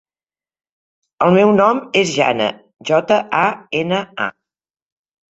El meu nom és Jana: jota, a, ena, a.